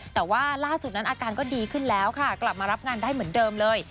แต่ว่าล่าสุดนั้นอาการก็ดีขึ้นแล้วค่ะกลับมารับงานได้เหมือนเดิมเลย